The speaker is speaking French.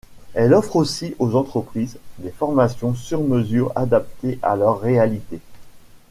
Elle offre aussi aux entreprises des formations sur mesure adaptées à leur réalité.